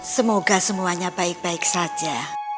semoga semuanya baik baik saja